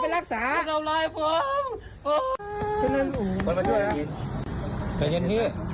ทั้งเจ้าและพี่ทั้งอะไรรวมผลมากมาก